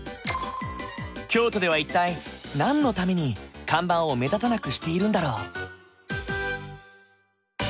京都では一体何のために看板を目立たなくしているんだろう？